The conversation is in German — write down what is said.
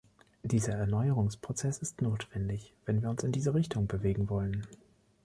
Dieser Erneuerungsprozess ist notwendig, wenn wir uns in diese Richtung bewegen wollen.